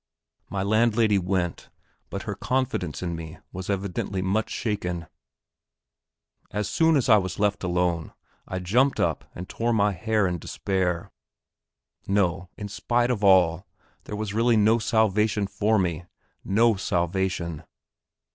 My landlady went, but her confidence in me was evidently much shaken. As soon as I was left alone I jumped up and tore my hair in despair. No, in spite of all, there was really no salvation for me no salvation!